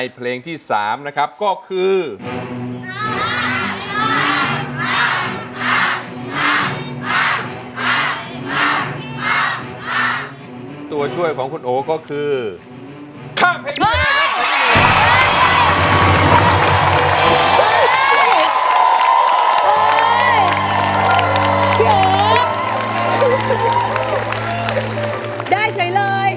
เพราะว่าตอนนี้